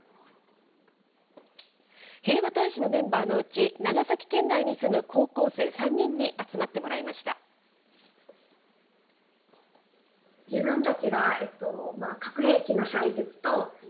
平和大使のメンバーのうち、長崎県内に住む高校生３人に集まってもらいました。